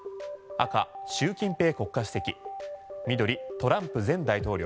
赤、習近平国家主席緑、トランプ前大統領。